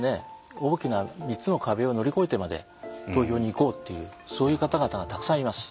大きな３つの壁を乗り越えてまで投票に行こうっていうそういう方々がたくさんいます。